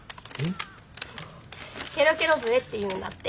ケロケロ笛っていうんだって。